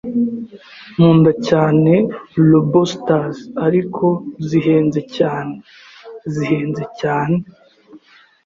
Nkunda cyane lobsters, ariko zihenze cyane, zihenze cyane.